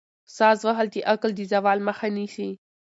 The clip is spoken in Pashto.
ساز وهل د عقل د زوال مخه نیسي.